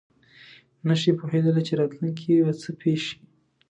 نه شي پوهېدلی چې راتلونکې کې به څه پېښ شي.